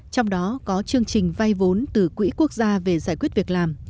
trong đó có chương trình vay vốn từ quỹ quốc gia về giải quyết việc làm